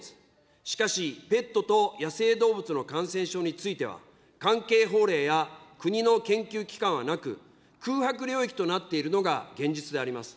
しかし、ペットと野生動物の感染症については、関係法令や国の研究機関はなく、空白領域となっているのが現実であります。